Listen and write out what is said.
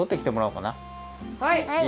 はい。